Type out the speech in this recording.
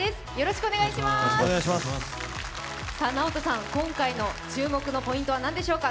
ＮＡＯＴＯさん、今回の注目のポイントは何でしょうか。